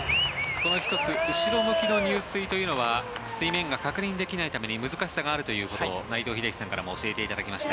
この後ろ向きの入水というのは水面が確認できないために難しさがあるということを内藤英樹さんからも教えていただきました。